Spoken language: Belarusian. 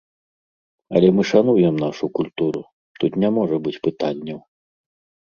Але мы шануем нашу культуру, тут не можа быць пытанняў.